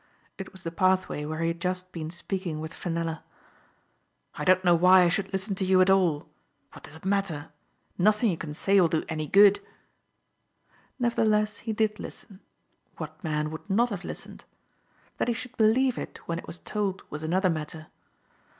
It was the pathway where he had just been speaking with Fenella. " I don't know why I should listen to you at all. What does it matter? Nothing you can say will do any good." Nevertheless, he did listen. What man would not have listened ? That he should believe it when it was told was another matter.